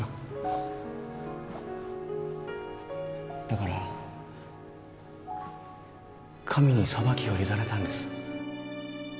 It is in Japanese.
だから神に裁きを委ねたんです。